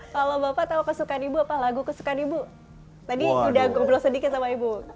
kalau bapak tahu kesukaan ibu apa lagu kesukaan ibu tadi udah ngobrol sedikit sama ibu